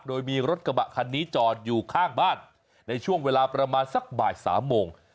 โดยมีรถกระบะคันนี้จอดอยู่ข้างบ้านในช่วงเวลาประมาณสักบ่าย๓โมง